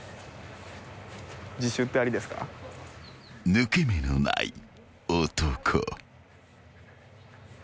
［抜け目のない男］